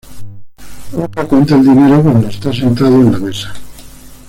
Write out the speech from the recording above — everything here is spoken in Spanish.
Nunca cuenta el dinero cuando está sentado en la mesa.